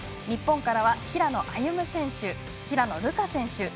日本からは平野歩夢選手平野流佳選手